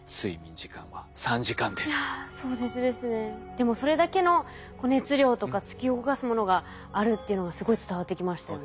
でもそれだけの熱量とか突き動かすものがあるっていうのがすごい伝わってきましたよね。